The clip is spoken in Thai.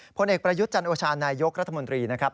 ผลเอกประยุทธ์จันโอชานายกรัฐมนตรีนะครับ